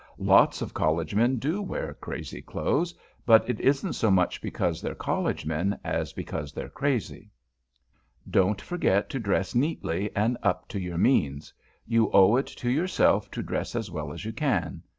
Lots of College men do wear crazy clothes; but it isn't so much because they're College men, as because they're crazy. [Sidenote: SANE DRESS] Don't forget to dress neatly and up to your means. You owe it to yourself to dress as well as you can.